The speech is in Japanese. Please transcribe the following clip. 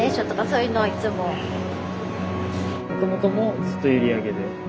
もともともずっと閖上で？